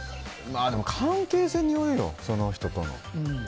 でも関係性によるよ、その人との。